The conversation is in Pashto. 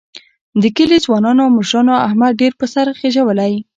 د کلي ځوانانو او مشرانو احمد ډېر په سر خېجولی